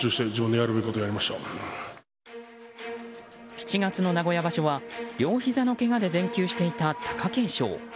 ７月の名古屋場所は両ひざのけがで全休していた貴景勝。